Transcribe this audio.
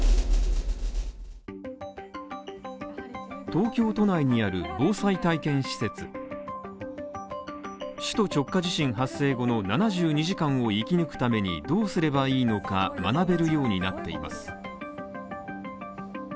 東京都内にある防災体験施設、首都直下地震発生後の７２時間を生き抜くためにどうすればいいのか学べるようになっています。